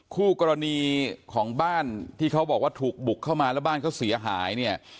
คู่กรณีของบ้านที่เขาบอกว่าถูกบุกเข้ามาแล้วบ้านเขาเสียหายเนี่ย